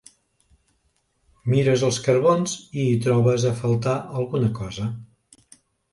Mires els carbons i hi trobes a faltar alguna cosa.